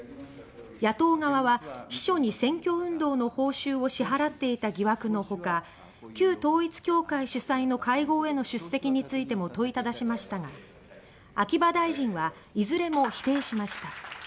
野党側は秘書に選挙運動の報酬を支払っていた疑惑のほか旧統一教会主催の会合への出席についても問いただしましたが、秋葉大臣はいずれも否定しました。